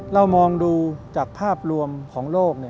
เรามองดูจากภาพรวมของโลก